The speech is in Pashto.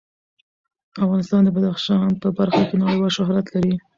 افغانستان د بدخشان په برخه کې نړیوال شهرت لري.